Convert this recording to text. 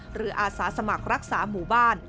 อาสาสมัครรักษาหมู่บ้าน